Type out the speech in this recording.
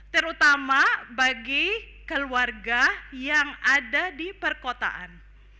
terutama bagi keluarga yang ada di perkotaan